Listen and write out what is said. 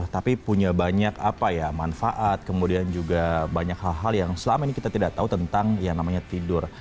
tapi punya banyak manfaat kemudian juga banyak hal hal yang selama ini kita tidak tahu tentang yang namanya tidur